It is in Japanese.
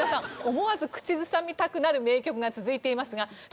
思わず口ずさみたくなる名曲が続いていますが特別企画。